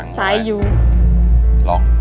สายอยู่ล็อก